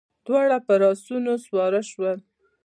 دواړه پر آسونو سپاره شول.